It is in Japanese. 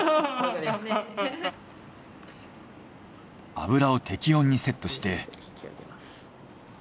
油を適温にセットして。